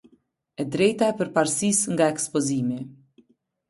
E drejta e përparësisë nga ekspozimi.